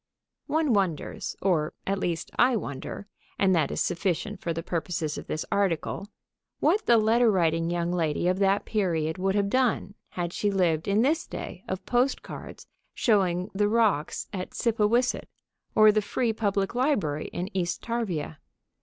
One wonders (or, at least, I wonder, and that is sufficient for the purposes of this article) what the letter writing young lady of that period would have done had she lived in this day of postcards showing the rocks at Scipawisset or the Free Public Library in East Tarvia.